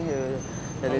để xử lý đi